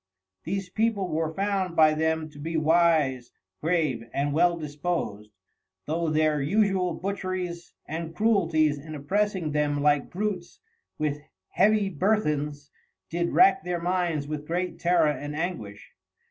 These People were found by them to be Wise, Grave, and well dispos'd, though their usual Butcheries and Cruelties in opressing them like Brutes, with heavy Burthens, did rack their minds with great Terror and Anguish.